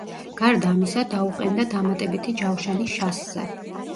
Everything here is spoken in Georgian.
გარდა ამისა დაუყენდა დამატებითი ჯავშანი შასზე.